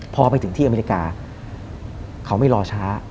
พอไปถึงที่อเมริกาเขาไม่รอช้า